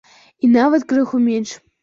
І нават крыху менш.